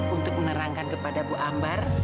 untuk menerangkan kepada bu ambar